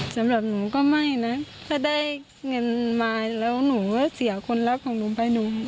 สำหรับหนูก็ไม่นะถ้าได้เงินมาแล้วหนูก็เสียคนรักของหนูไปหนู